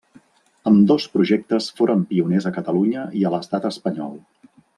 Ambdós projectes foren pioners a Catalunya i a l'estat espanyol.